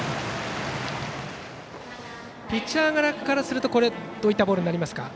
ピッチャー側からするとどういったボールでしたか。